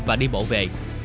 và đi bộ về